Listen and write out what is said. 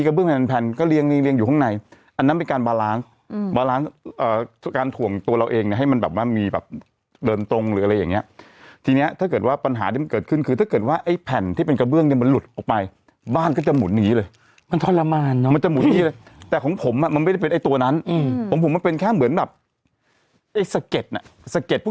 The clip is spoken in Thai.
บาร้านการถ่วงตัวเราเองให้มันแบบว่ามีแบบเดินตรงหรืออะไรอย่างเงี้ยทีเนี้ยถ้าเกิดว่าปัญหาที่มันเกิดขึ้นคือถ้าเกิดว่าไอ้แผ่นที่เป็นกระเบื้องเนี่ยมันหลุดออกไปบ้านก็จะหมุนหนีเลยมันทรมานเนอะมันจะหมุนหนีเลยแต่ของผมมันไม่ได้เป็นไอ้ตัวนั้นของผมมันเป็นแค่เหมือนแบบไอ้สเก็ตน่ะสเก็ตพ